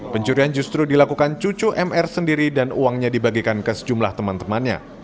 pencurian justru dilakukan cucu mr sendiri dan uangnya dibagikan ke sejumlah teman temannya